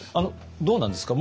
どうなんですか？